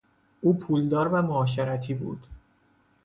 او پولدار و معاشرتی بود.